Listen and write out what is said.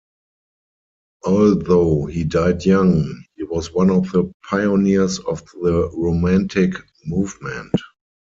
Although he died young, he was one of the pioneers of the Romantic movement.